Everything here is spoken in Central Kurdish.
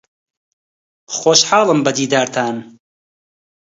خۆشحاڵم بە دیدارتان.